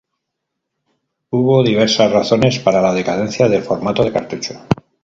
Hubo diversas razones para la decadencia del formato de cartucho.